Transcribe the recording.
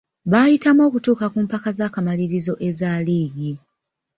Baayitamu okutuuka ku mpaka z'akamalirizo eza liigi..